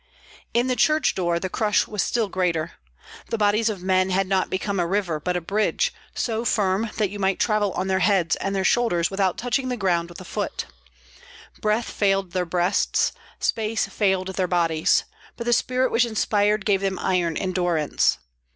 In the church door the crush was still greater. The bodies of men had become not a river, but a bridge, so firm that you might travel on their heads and their shoulders without touching the ground with a foot. Breath failed their breasts, space failed their bodies; but the spirit which inspired gave them iron endurance.